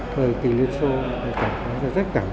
thời kỳ liên xô tôi cảm thấy rất cảm